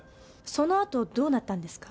そのあとどうなったんですか？